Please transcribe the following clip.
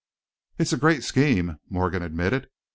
"It's a great scheme," Morgan admitted.